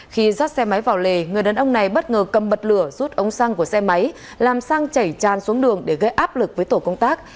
khi dắt xe máy vào lề người đàn ông này bất ngờ cầm bật lửa rút ống xăng của xe máy làm xăng chảy tràn xuống đường để gây áp lực với tổ công tác